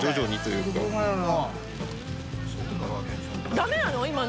ダメなの？